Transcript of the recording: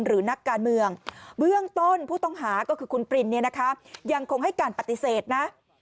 หรือนักการเมืองเบื้องต้นผู้ต้องหาก็คือคุณปรินเนี่ยนะคะยังคงให้การปฏิเสธนะ